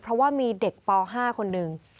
เพราะว่ามีเด็กป๕คนหนึ่ง